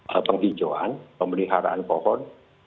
untuk melakukan penghijauan pemberiharaan pohon